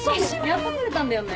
やっと来れたんだよね。